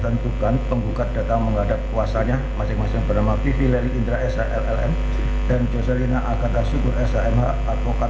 dan juga perkembangan yang berjalan dengan baik